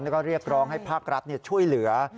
แล้วก็เรียกร้องให้ภาครัฐช่วยเหลือ